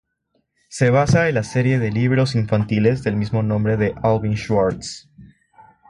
Se basa en la serie de libros infantiles del mismo nombre de Alvin Schwartz.